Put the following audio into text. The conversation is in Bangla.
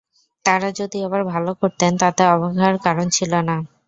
তাঁরা যদি আবার ভালো করতেন তাতে অবাক হওয়ার কারণ ছিল না।